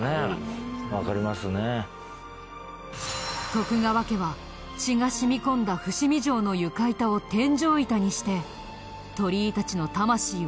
徳川家は血が染み込んだ伏見城の床板を天井板にして鳥居たちの魂を弔い